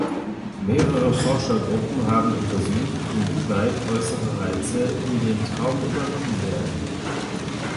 Mehrere Forschergruppen haben untersucht, inwieweit äußere Reize in den Traum übernommen werden.